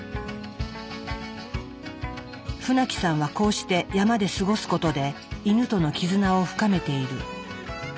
船木さんはこうして山で過ごすことでイヌとの絆を深めている。